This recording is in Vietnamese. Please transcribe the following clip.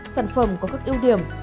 sản phẩm có các ưu điểm